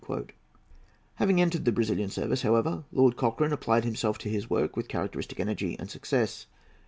Having entered the Brazilian service, however, Lord Cochrane applied himself to his work with characteristic energy and success.